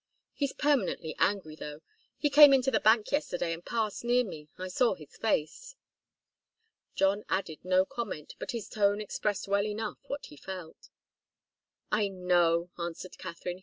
He's permanently angry, though. He came into the bank yesterday and passed near me. I saw his face." John added no comment, but his tone expressed well enough what he felt. "I know," answered Katharine.